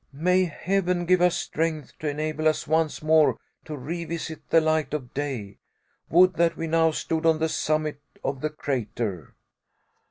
May heaven give us strength to enable us once more to revisit the light of day. Would that we now stood on the summit of the crater."